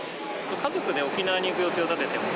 家族で沖縄に行く予定を立ててます。